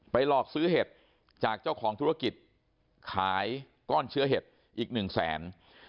หลอกซื้อเห็ดจากเจ้าของธุรกิจขายก้อนเชื้อเห็ดอีกหนึ่งแสน